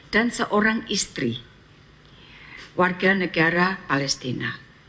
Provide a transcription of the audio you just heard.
dan seorang istri warga negara palestina